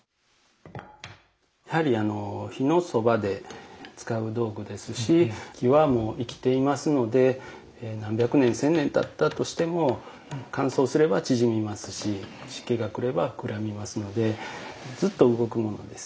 やはりあの火のそばで使う道具ですし木はもう生きていますので何百年千年たったとしても乾燥すれば縮みますし湿気が来れば膨らみますのでずっと動くものです。